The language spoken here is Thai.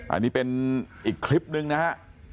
อันนี้เป็นอีกคลิปนึงนะฮะ